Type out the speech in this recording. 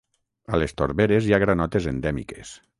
A les torberes hi ha granotes endèmiques.